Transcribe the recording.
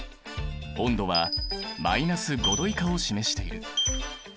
温度は−５℃以下を示している。